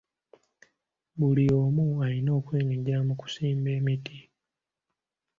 Buli omu alina okwenyigira mu kusimba emiti.